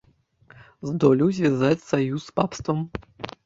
Здолеў звязаць саюз з папствам.